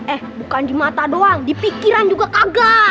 eh bukan di mata doang di pikiran juga kaget